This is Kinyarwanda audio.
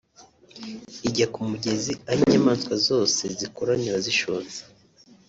ijya ku mugezi aho inyamaswa zose zikoranira zishotse